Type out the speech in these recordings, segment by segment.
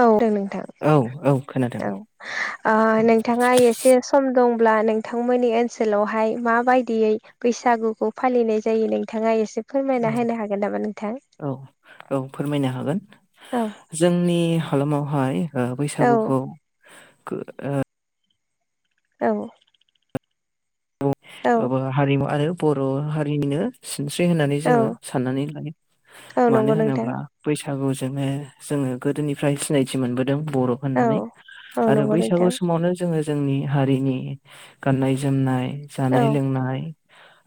औ दो नोंथां औ औ खोनादों औ ओ नोंथाङा एस से सम दंब्ला नोंथांमोननि ओनसोलावहाय माबायदियै बैसागुखौ फालिनाय जायो नोंथाङा एसे औ फोरमायना होनो हागोन नामा नोंथां? औ औ फोरमायनो हागोन औ जोंनि हालामावहाय ओ औ बैसागुखौ गो ओ औ औ ओबो हारिमु आरो बर हारिनिनो सिनस्रि होननानै औ जोङो साननानै लायो औ मानो नंगौ नोंथां होनोब्ला बैसागुजोंनो जोङो गोदोनिफ्राय सिनायथि मोनबोदों बर' औ होननानै औ आरो नंगौ बैसागु नोंथां समावनो जोङो जोंनि हारिनि गाननाय जोमनाय औ जानाय लोंनाय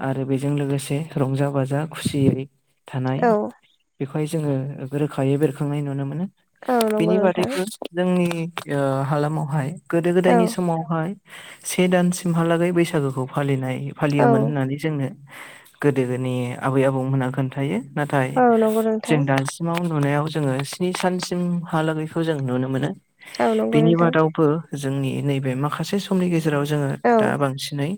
आरो बेजों लोगोसे रंजा बाजा खुसियै थानाय औ बेखौहाय जोङो ओ रोखायै बेरखांनाय नुनो मोनो। औ नंगौ बिनि नोंथां बादैबो जोंनि ओ हालामावहाय गोदो औ गोदायनि समावहाय से दानसिमहालागै बैसागोखौ फालिनाय औ फालियोमोन होननानै जोंनो गोदो गोनि आबै आबौमोनहा खोन्थायो नाथाय औ नंगौ नोंथां जों दा सिमाव नुनायाव जों स्नि सानसिमहालागैखौ जों नुनो मोनो। औ नंगौ बिनि नोंथां बादावबो जोंनि नैबे माखासे सुबुंनि गेजेराव जों औ दा बांसिनै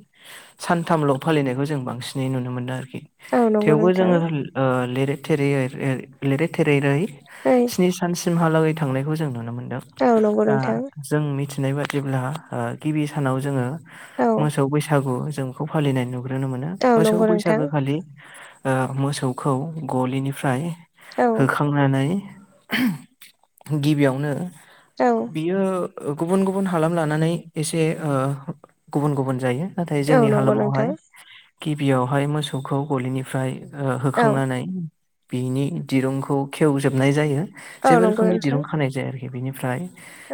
सानथामलग फालिनायखौ जों बांसिनै नुनो मोन आरोखि औ नंगौ थेवबो जों नोंथां अ लै थेरैै लै थेरैै ओइ स्नि सानसिम सिमहालागै थांनायखौ जों नुनो मोनदों औ नंगौ दा नोंथां जों मिथिनाय बादिब्ला गिबि सानाव जों औ मोसौ बैसो बैसागु जों बेखौ फालिनाय नुग्रोनो मोनो औ मोसौ नंगौ नोंथां बैसागोखालि अ मोसौखौ गलिनिफ्राय औ होखार थांनानै गिबियावनो औ। बियो गुबुन गुबुन हालाम लानानै एसे गुबुन गुबुन जायो नाथाय औ जोंनि नंगौ हालाम नोंथां हाय। गिबियावहाय मोसौखौ गलिनिफ्राय औ होखांनानै बिनि दिरुंखौ खेवजोबनाय जायो औ जेबो नंगौ रोखोमनि नोंथां दिरुं खानाय जायाखो बेनिफ्राय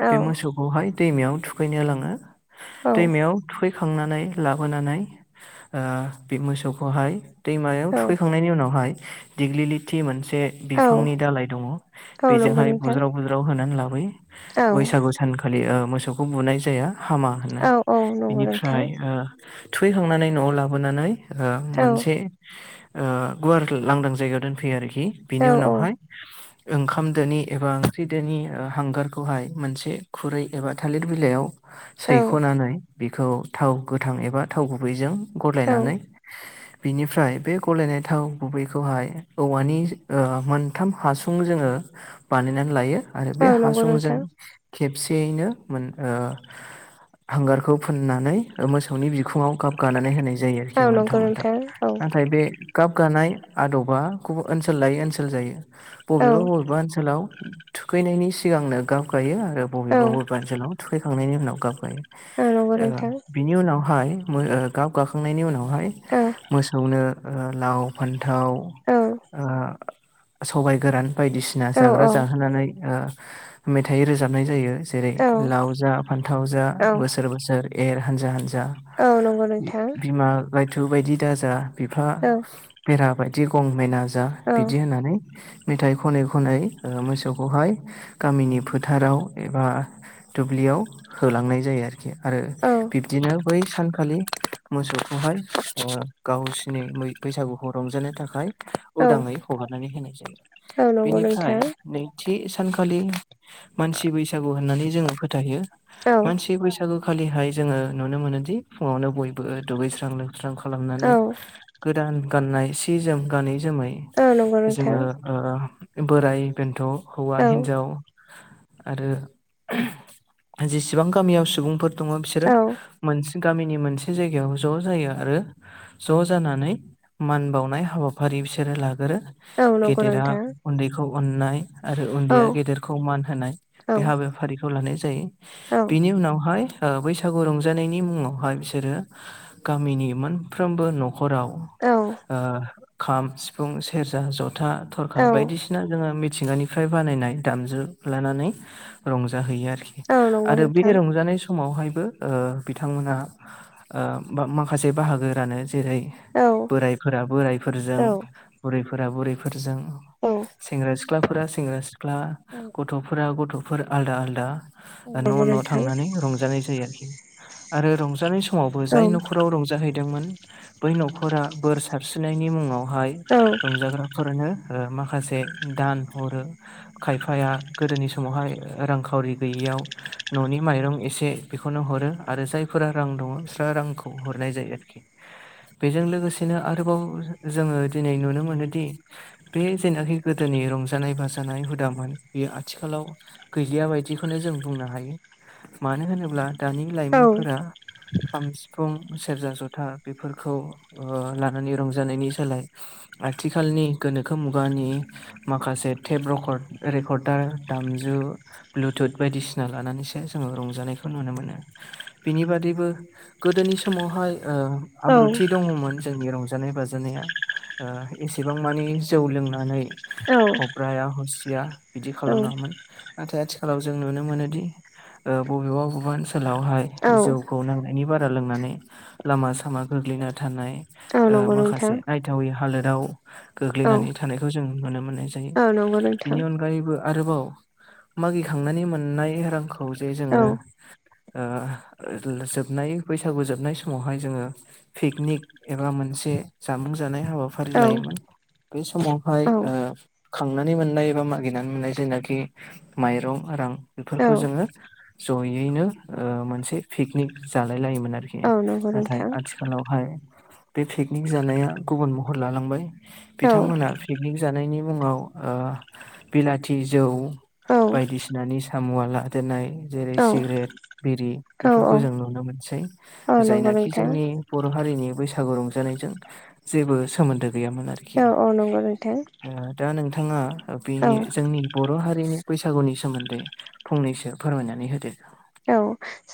औ बे मोसौखौहाय दैमायाव थुखैनो लाङो औ दैमायाव थुखैखांनानै लाबोनानै बे मोसौखौहाय दैमायाव औ थुखैखांनायनि उनावहाय दिग्लिलिथि मोनसे औ बिफांनि दालाय दङ औ नंगौ बेजोंहाय नोंथां बुज्राव बुज्राव होनानै लाबोयो। औ बैसागु सानखालि मोसौखौ बुनाय जाया हामा। औ औ नंगौ बिनि नोंथां फ्राय ओ थुखैखांनायनि न लाबोनानै औ मोनसे गुवार लांदां जायगायाव दोनफैयो आरोखि हि औ बिनि औ नहाय ओंखामदोनि एबा ओंख्रिदोनि हांगारखौहाय मोनसे खुरै एबा थालिर बिलाइयाव औ सैख'नानै बिखौ थाव गोथां एबा थाव गुबैजों औ गलायनानै बिनिफ्राय बे गलायनाय थाव गुबैखौहाय औवानि मोनथाम हासुं जोंङो बानायनानै लायो आरो बे औ नंगौ हासुंजों नोंथां खेबसेयैनो-मोन ओ हांगाररखौ फोननानै ओ मोसौनि बिखुङाव गाब गानानै होनाय जायो औ आरोखि नंगौ मोनथाम मोनथाम नोंथां औ नाथाय बे गाब गानाय आदबा गुबु-ओनसोल लायै ओनसोल जायो औ बबेबा बबेबा ओनसोलाव थुखैनायनि सिगांनो गाब गायो आरो औ बबेबा बबेबा ओनसोलाव थुखैखांनायनि उनाव गाब गायो। औ नंगौ ओ नोंथां बिनि उनावहाय मो-ओ गाब गाखांनायनि उनाव बहाय औ मोसौनो ओ लाव फान्थाव औ ओ सबाइ गोरान बायदिसिना औ जाग्रा जाहोनानै ओ मेथाइ रोजाबनाय जायो जेरै औ लाव जा फान्थाव जा बोसोर बोसोर एर हानजा हान्जा औ नंगौ नोंथां बिमा गायथु बायदि दाजा बिफा औ बेरा बायदि गं मेना जा औ बिदि होननानै मेथाइ खनै खनै ओ मोसौखौहाय गामिनि फोथाराव एबा दुब्लियाव होलांनाय जायो आरोखि आरो बिदिनो बै सानखालि मोसौखौहाय ओ गावसिनि मै बैसागुखौ रंजानो थाखाय औ उदाङै हगारनानै होनाय जायो औ नंगौ बेनिफ्राय नोंथां नैथि सानखालि मानसि बैसागु होननानै जोङो फोथायो मानसि बैस सागुखालिहाय जोङो नुनो मोनोदि फुङावनो बयबो दुगैस्रां लोबस्रां खालामनानै औ गोदान गाननाय सि जोम गानै जोमै औ नंगौ नोंथां जोङो ओ बोराय बेन्थ' औ हौवा हिन्जाव आरो जेसेबां गामियाव सुबुंफोर दङ बिस औ। मोनसे गामिनि मोनसे जायगायाव ज' जायो आरो ज' जानानै मान बावनाय हाबाफारि बिसोरो लागोरो। औ नंगौ गेदेरा नोंथां उन्दैखौ अननाय आरो औ उन्दैया गेदेरखौ मान होनाय बे हाबाफारिखौ लानाय जायो। बिनि उनावहाय ओ बै सागु रंजानायनि मुङावहाय बिसोरो गामिनि मोनफ्रोमबो न'खराव औ। ओ खाम, सिफुं, सेरजा, जथा, औ थरखा औ बायदिसिना जोङो मिथिंगानि फ्राय बानायनाय दामजु लानानै रंजाहैयो आरोखि औ नंगौ आरो बे नोंथां रंजानाय स मावहायबो ओ बिथांमोना ओ माखासे बाहागो रानो जेरै औ बोरायफोरा बोरायफोरजों औ बुरैफोरा बुरैफोरजों औ सेंग्रा सिख्लाफोरा सेंग्रा सिख्ला औ गथ'फोरा गथ'फोर आलदा आलदा नंगौ न' न' नोंथां थांनानै रंजानाय जायो आरोखि आरो रंजानाय स समावबो औ जाय न'खराव रंजाहैदोंमोन बै न'खरा बोर सारस्रिनायनि मुङाव हाय औ रंजाग्राफोरनो ओ माखासे दान हरो। खायफाया गोदोनि समावहाय रांखावरि गैयियाव न'नि माइरं एसे बे खौनो हरो आरो जायफोरा रां दङ बिस्रा रांखौ हरनाय जायो आरोखि। बेजों लोगोसेनो आरोबाव जोङो दिनै नुनो मोनोदि बे जेनाखि गोदोनि रंजानाय बाजानाय हुदामोन बेयो आथिखालाव गैलिया बायदिखौनो जों बुंनो हायो मानो होनोब्ला दानि औ लाइमोनफोरा खाम, सिफुं, सेरजा, जथा बेफोरखौ ओ लानानै रंजानायनि सोलाय आथिखालनि गोनोखो मुगानि माखासे टेप रेकॉर्ड रेकॉर्डार दामजु ब्लुथुथ बायदिसिना लानानैसो जोङो रंजानायखौ नुनो मोनो। बिनि बादैबो गोदोनि समावहाय ओ औ आब्रुथि दङमोन जोंनि रंजा नाय बाजानाया। ओ एसेबां मानि जौ लोंनानै औ हब्राया हसिया बिदि खालामनाङामोन नाथाय आथिखालाव जों नुनो मोनोदि ओ बबेबा बबेबा ओन सोलावहाय औ जौखौ नांनायनि बारा लोंनानै लामा सामा गोग्लैना थानाय औ ओ नंगौ नोंथां माखासे नायथावै हालोदाव औ गोग्लैनानै थानायखौ जों नुनो मोननाय औ नंगौ नोंथां बिनि अनगायैबो आरोबाव मागिखांनानै मोननाय रांखौ जे जोङो औ ओ जोबनाय बैसागु जोबनाय समावहाय जोङो पिकनिक एबा मोनसे जामुं जानाय हाबाफारि औ लायोमोन। बे समावहाय औ ओ खांनानै मोननाय एबा मागिनानै मोननाय जायनाखि माइरं रां औ बेफोरखौ जोङो जयैनो ओ मोनसे पिकनिक जालाय लायोमोन आरोखि औ नंगौ नाथाय नोंथां आथिखाल लावहाय बे पिकनिक जानाया गुबुन महर लालांबाय औ बिथांमोना पिकनिक जानायनि मुङाव ओ बिलाथि जौ औ बायदिसिना निसा मुआ लादेरनाय जेरै औ सिगारेट बिरि बेफोरखौ जों नुनो मोनसै औ नंगौ जायनाखि जोंनि नोंथां बर' हारिनि बैसागु रंजानायजों जेबो सोमोन्दो गैयामोन आरोखि। औ औ नंगौ नोंथां। ओ दा नोंथाङा बे औ जोंनि बर' हारिनि बैसागुनि सोमोन्दै फंनैसो फोरमायनानै होदो। औ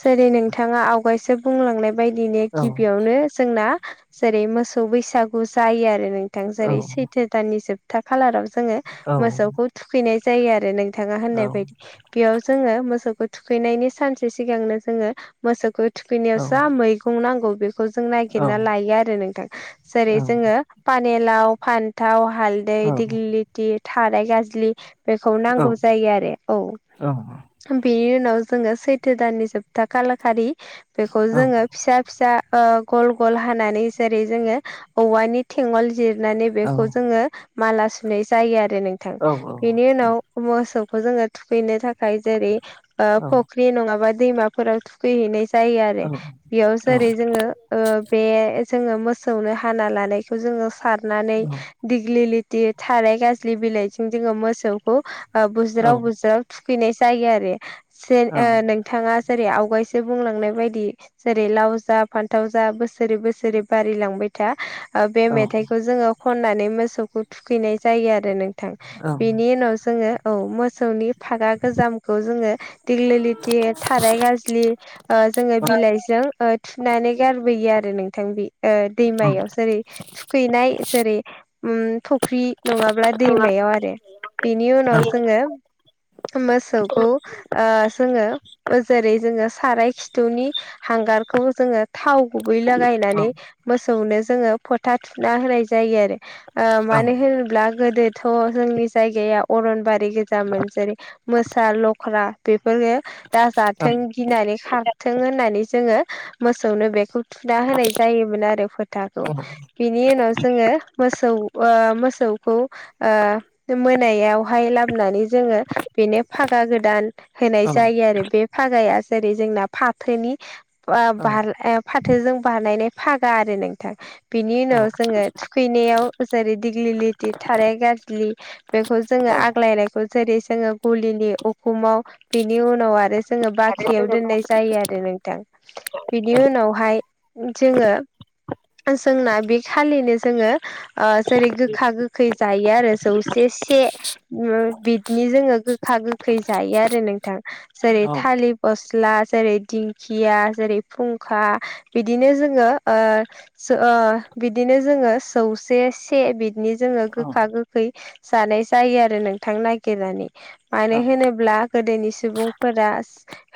जेरै नोंथाङा आवगायसो बुंलांनाय बायदिनि औ गिबियावनो जोंना जेरै मोसौ बैसागु जायो आरो नोंथां औ जेरै सैथो दाननि जोबथा खालाराव जोङो औ मोसौखौ थुखैनाय जायो आरो नोंथाङा औ होननाय बायदि। बेयाव जोङो मोसौखौ थुखैनायनि सानसे सिगांनो जोङो मोसौखौ थुखैनायाव औ जा मै थुम नांगौ बेखौ जों औ नागिरना लायो आरो नोंथां जेरै औ जोङो पानेलाव फान्थाव हालदै औ दिगलिथि थाराय गाजलि। बेखौ औ नांगौ जायो आरो औ औ बेनि उनाव जोङो सैथ थो दाननि जोबथा खालारखालि बेखौ औ जोङो फिसा फिसा ओ गल गल हानानै जेरै जोङो औवानि थेंगल जिरनानै बेखौ जोङो माला सुनाय जायो आरो नोंथां औ बे नि उनाव मोसौ खौ जोङो थुखैनो थाखाय जेरै ओ फख्रि नङा बा दैमाफोराव थुखैहैनाय जायो आरो औ बेयाव औ जेरै जोङो ओ बे जोङो मोसौनो हाना लानायखौ जोङो सारनानै दिग्लि लिथि थाराय गाज्लि बिलाइजों जोङो मोसौखौ ओ बुज्राव बुज्राव थुखैनाय जायो आरो जे ओ नोंथाङा जेरै आवगायसो बुंलांनाय बायदि जेरै लाव जा फान्थाव जा बोसोरै बोसोरै बारि लांबाय था ओ बे मेथाइखौ जोङो खननानै मोसौखौ थुखैनाय जायो आरो नोंथां। ओं बेनि उनाव जोङो औ मोसौनि फागा गोजामखौ जोङो दिग्लि दि थाराय गाज्लि ओ जोङो बिलाइजों ओ थुनानै गारबोयो आरो नोंथां बे ओ दैमायाव जेरै थुखैनाय जेरै उम फख्रि नङाब्ला दैमायाव आरो बेनि उनाव जोङो मोसौखौ ओ जोङो ओ जेरै जोङो साराय खिथुनि हांगारखौ जोङो थाव गुबै लागायनानै मोसौनो जोङो फोथा थुना होनाय जायो आरो ओ मानो होनोब्ला गोदो थ' जोंनि जायगाया अरनबारि गोजामोन जेरै मोसा लख्रा बेफोरनो दाजाथों गिनानै खारथों होननानै जोङो मोसौनो बेखौ थुना होनाय जायोमोन आरो फोथाखौ। बिनि उनाव जोङो मोसौ ओ मोसौखौ ओ मोनायावहाय लाबोनानै जोङो बेनो फागा गोदान होनाय जायो आरो बे फागाया जेरै जोंना फाथोनि। बा ओं औ ओं बाल ओ फाथोजों बानायनाय फागा आरो नोंथां। बिनि उनाव जोङो थुखैनायाव जेरै दिग्लि लिथि थाराय गाज्लि बेखौ जोङो ओं आग्लायनायखौ जेरै जोङो गलिनि उखुमाव बिनि उनाव आरो जोङो बाख्रियाव दोननाय जायो आरो नोंथां बिनि उनावहाय जोङो जोंना बे खालिनो जोङो ओ जेरै गोखा गोखै जायो आरो जौसे से उम बिदिनि जोङो गोखा गोखै जायो आरो नोंथां जेरै लि गस्ला जेरै दिंखिया जेरै फुंखा बिदिनो जोङो ओ जो ओ बिदिनो जोङो सौसे से बि बिनि जोङो ओं गोखा गोखै जानाय जायो आरो नोंथां नागिरनानै। मानो ओं ओं होनोब्ला गोदोनि सुबुंफोरा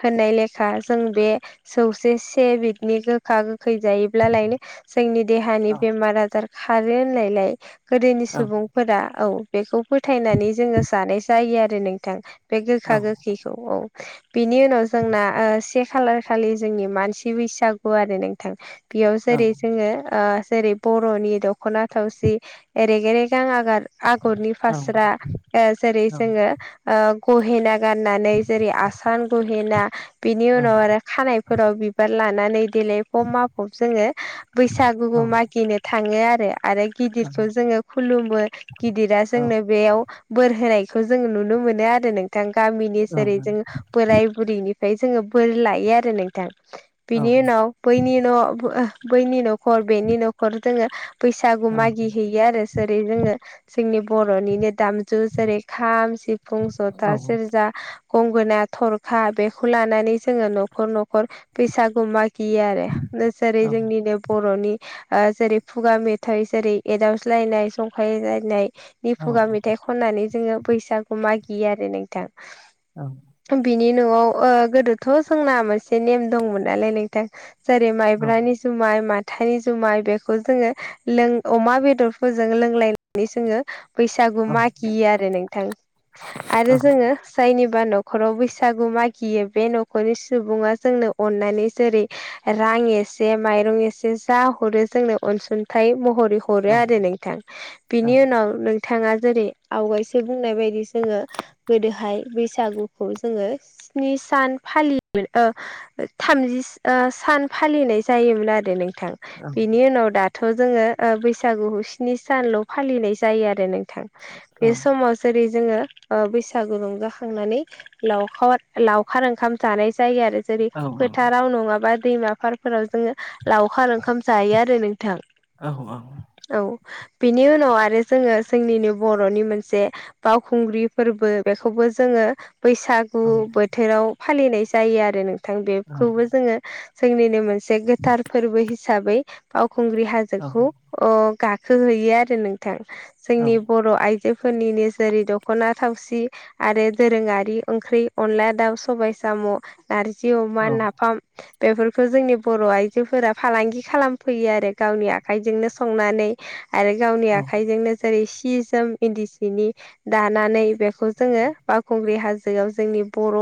होननाय लेखा जों बे जौसे से बिदनि गो खा गोखै जायोब्लालायनो जोंनि देहानि बेमार आजार खारो होननायलाय गोदोनि ओं औ सुबुंफोरा औ बेखौ फोथायनानै जोङो जानाय जायो आरो नोंथां। बे औ गोखा ओं गोखैखौ औ। बिनि उनाव जोंना ओ से खालार खालि जोंनि मानसि बैसागु आरो नोंथां। बेयाव जेरै जोङो ओ जेरै। बर'नि दख'ना थावसि एरेगे रेगां आगार आगरनि औ ओं औ ओं औ फास्रा ओ जेरै औ जोङो। ओ गहेना गाननानै जेरै आसान गहेना बिनि उनाव आरो खानायफोराव बिबार लानानै देलायफब माफब जोङो औ बैसागुबो मागिनो थाङो आरो औ गिदिरखौ जोङो खुलुमो गिदिरा औ जोंनो बेयाव बोर होनायखौ जों नुनो मोनो आरो नों थां गामिनि औ जेरै जों बोराय बुरैनिफ्राय जोङो बोर लायो आरो नोंथां। औ बिनि उनाव बैनि न' ओ बैनि न'खर बेनि न'खर जोङो बैसागु औ मागि हैैयो आरो जेरै जोङो जोंनि बर'निनो दाम जु जेरै खाम सिफुं औ जथा सेरजा गंगोना थरखा बेखौ लानानै जोङो न'खर न'खर बैसागु मागियो आरो। जेरै जोंनिनो बर'नि ओ जेरै खुगा मेथाइ जेरै एदावज्लायनाय जंखायलायनाय नि खुगा औ मेथाइ खननानै जोङो बैसागु मागियो आरो नोंथां। औ। बिनि न'आव ओ गोदोथ' जोंना मोनसे नेम दंमोन नालाय नोंथां। जेरै मायब्रानि जुमाय माथानि जुमाय बेखौ जोङो लों अमा बेदरफोरजों लोंलायनानै जोङो बैसागु औ मागियो आरो नोंथां आरो जोङो जायनिबा न' न'खराव बैसागु मागियो बे न'खरनि सुबुङा जोंनो अननानै जेरै रां एसे माइरं एसे जा हरो जोंनो अनसुंथाइ महरै हरो आरो नोंथां बिनि उनाव नोंथाङा जेरै आवगायसो बुंनाय बायदि जोङो गोदोहाय बैसागुखौ जोंङो स्नि सान फालियोमोन ओ थामजि ओ सान फालिनाय जायोमोन आरो नोंथां। बिनि उनाव दाथ' जोङो ओ बैसागु स्नि सानल' फालिनाय जायो आरो नोंथां। बे समाव जेरै जोङो ओ बैसागु रंजाखांनानै लावखार लावखार ओंखाम जानाय जायो आरो जेरै फोथाराव नङाबा दैमाफोर फोराव जोङो लावखार ओंखाम जायो आरो नोंथां। औ औ। औ बिनि उनाव आरो जोङो जोंनिनो बर'नि मोनसे बावखुंग्रि फोरबो बेखौबो जोङो बैसागु बोथोराव फालिनाय जायो आरो नोंथां बेखौबो जोङो जोंनिनो मोनसे गोथार फोरबो हिसाबै फावखुंग्रि हाजोखौ ओ गाखोहैयो आरो नोंथां जोंनि बर' आइजो फोरनिनो जेरै दखना थावसि आरो दोरोङारि ओंख्रि अनला दाउ सबाय साम नारजि अमा औ नाफाम बेफोरखौ जोंनि बर आइजोफोरा फालांगि खालामफैयो आरो गावनि आखाइजोंनो संनानै आरो गावनि औ आखाइजोंनो जेरै सि जोम इन्दि सिनि दानानै बेखौ जोङो बावखुंग्रि हाज जोआव जोंनि बर'